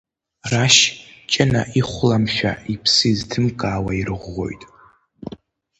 Рашь, Ҷына ихәламшәа иԥсы изҭымкаауа ирӷәӷәоит.